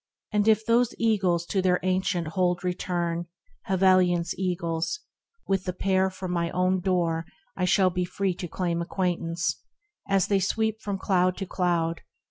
And if those Eagles to their ancient hold Return, Helvellyn's Eagles ! with the Pair THE RECLUSE 35 From my own door I shall be free to claim Acquaintance, as they sweep from cloud to cloud.